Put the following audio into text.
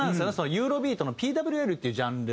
ユーロビートのＰＷＬっていうジャンル。